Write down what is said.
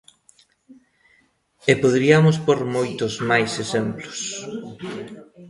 E poderiamos por moitos máis exemplos.